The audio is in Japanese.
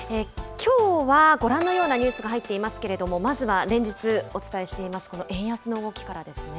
きょうはご覧のようなニュースが入っていますけれども、まずは連日お伝えしています、この円安の動きからですね。